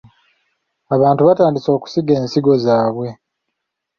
Abantu batandise okusiga ensigo zaabwe .